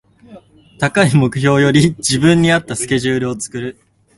高い目標より自分に合ったスケジュールを作る